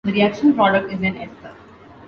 The reaction product is an ester.